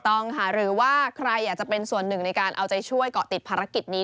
ต้องค่ะหรือว่าใครอยากจะเป็นส่วนหนึ่งในการเอาใจช่วยเกาะติดภารกิจนี้